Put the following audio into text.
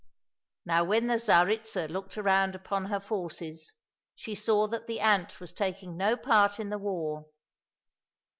Now when the Tsaritsa looked around upon her forces, she saw that the ant was taking no part in the war.